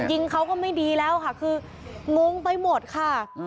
ยิงเขาก็ไม่ดีแล้วค่ะคืองงไปหมดค่ะ